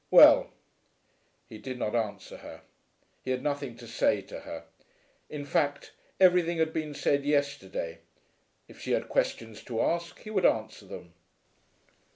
"Well." He did not answer her. He had nothing to say to her. In fact everything had been said yesterday. If she had questions to ask he would answer them.